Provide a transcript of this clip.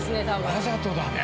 わざとだね。